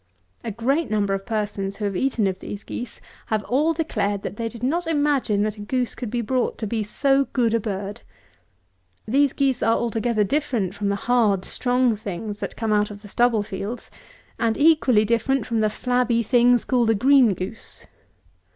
A great number of persons who have eaten of these geese have all declared that they did not imagine that a goose could be brought to be so good a bird. These geese are altogether different from the hard, strong things that come out of the stubble fields, and equally different from the flabby things called a green goose.